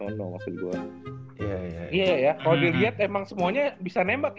kalo diliat emang semuanya bisa nembak ya